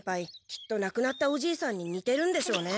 きっとなくなったおじいさんににてるんでしょうね。